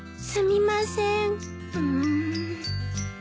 すみません。